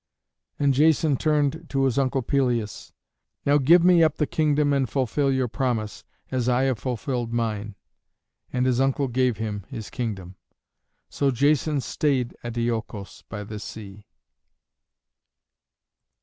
And Jason turned to his uncle Pelias, "Now give me up the kingdom and fulfil your promise, as I have fulfilled mine." And his uncle gave him his kingdom. So Jason stayed at Iolcos by the sea.